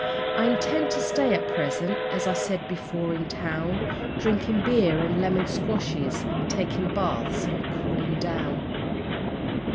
I intend to stay at present, as I said before, in town Drinking beer and lemon squashes, taking baths and cooling down.